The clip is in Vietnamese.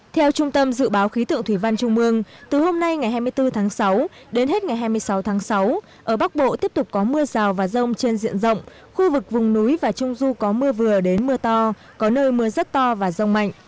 theo trung tâm dự báo khí tượng thủy văn trung ương từ hôm nay ngày hai mươi bốn tháng sáu đến hết ngày hai mươi sáu tháng sáu ở bắc bộ tiếp tục có mưa rào và rông trên diện rộng khu vực vùng núi và trung du có mưa vừa đến mưa to có nơi mưa rất to và rông mạnh